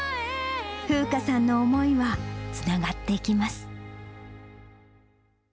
楓佳さんの思いはつながっていきます。